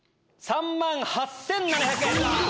３万８７００円！